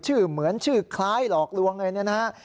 ชื่อเหมือนชื่อคล้ายหลอกลวงเลยนะฮะ